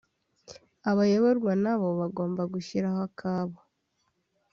Abayoborwa na bo bagomba gushyiraho akabo